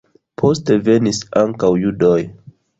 Poste venis ankaŭ judoj.